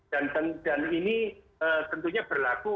dan ini tentunya berlaku